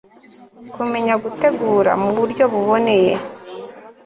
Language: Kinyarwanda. Kumenya gutegura mu buryo buboneye